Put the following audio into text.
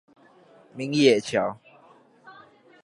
明野橋